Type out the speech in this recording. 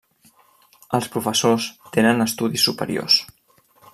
Els professors tenen estudis superiors.